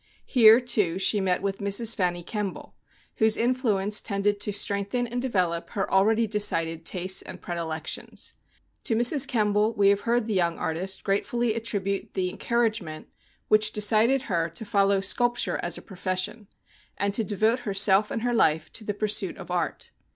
Here, too, she met with Mrs. Fanny Kemble, whose influence tended to strengthen and develop her already de cided tastes and predilections. To Mrs. Kemble we have heard the young artist gratefully attribute the encouragement which decided her to follow sculpture as a profession, and to devote herself and her life to the pursuit of art.